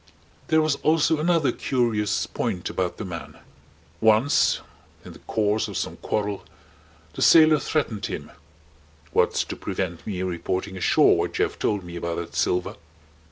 There was also another curious point about the man. Once in the course of some quarrel the sailor threatened him: "What's to prevent me reporting ashore what you have told me about that silver?"